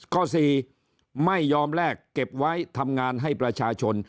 ข้อสี่ไม่ยอมแลกเก็บไว้ทำงานให้ประชาชน